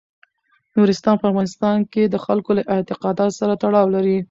نورستان په افغانستان کې د خلکو له اعتقاداتو سره تړاو لري.